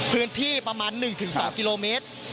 พื้นที่ประมาณ๑๒กิโลเมตร